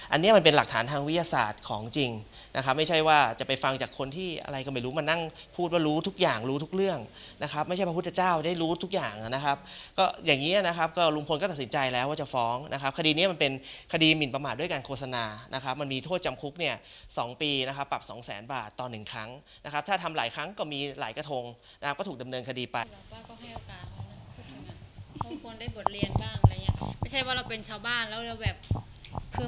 อันนี้มันเป็นหลักฐานทางวิทยาศาสตร์ของจริงนะครับไม่ใช่ว่าจะไปฟังจากคนที่อะไรก็ไม่รู้มานั่งพูดว่ารู้ทุกอย่างรู้ทุกเรื่องนะครับไม่ใช่พระพุทธเจ้าได้รู้ทุกอย่างนะครับก็อย่างนี้นะครับก็ลุงพลก็ตัดสินใจแล้วว่าจะฟ้องนะครับคดีนี้มันเป็นคดีหมิ่นประมาทด้วยการโฆษณานะครับมันมีโทษจำคุกเน